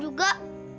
nggak mau pak